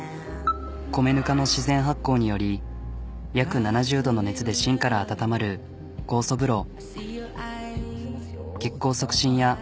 米ぬかの自然発酵により約７０℃の熱で芯から温まる酵素風呂。